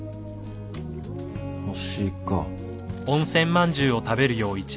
星か。